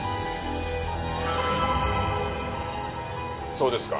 そうですか。